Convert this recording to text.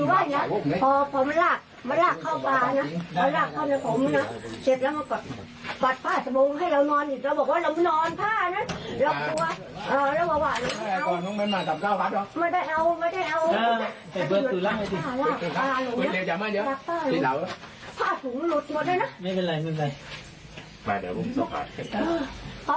เห็นเบอร์สูรร่างไอ้ติด